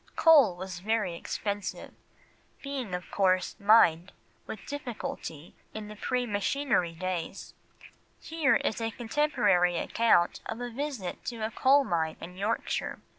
Coal was very expensive, being of course mined with difficulty in the pre machinery days; here is a contemporary account of a visit to a coal mine in Yorkshire.